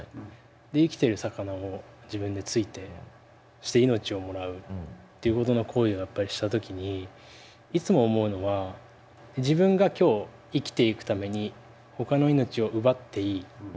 生きてる魚を自分で突いてそして命をもらうっていうことの行為をやっぱりした時にいつも思うのは自分が今日生きていくためにほかの命を奪っていい。